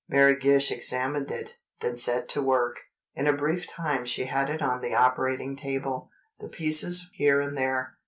Mary Gish examined it, then set to work. In a brief time she had it on the operating table, the pieces here and there.